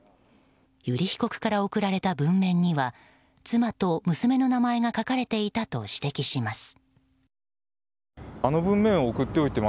油利被告から送られた文面には妻と娘の名前が書かれていたと指摘します。